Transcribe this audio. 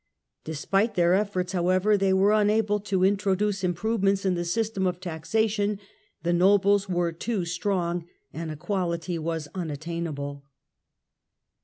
Despite their efforts, however, they were unable to introduce improvements in the system of taxation, the nobles were too strong and equality was unattainable.